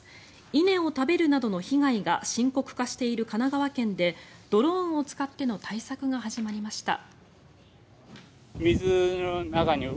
稲を食べるなどの被害が深刻化している神奈川県でドローンを使っての対策が始まりました。